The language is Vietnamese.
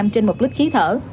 trên một đích khí thở